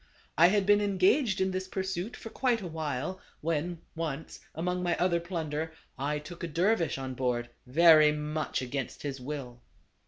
I had been engaged in this pursuit for quite a while, when, once, among my other plunder, I took a dervis on board, very much against his will.